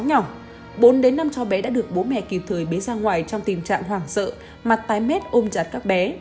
bốn năm cháu bé đã được bố mẹ kịp thời bế ra ngoài trong tình trạng hoàng sợ mặt tái mét ôm chặt các bé